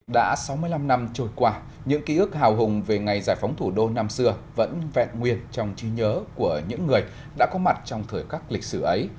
đã sáu mươi năm năm trôi qua những ký ức hào hùng về ngày giải phóng thủ đô năm xưa vẫn vẹn nguyệt trong trí nhớ của những người đã có mặt trong thời khắc lịch sử ấy